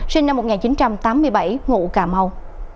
sinh năm một nghìn chín trăm tám mươi bảy ngụ cà mau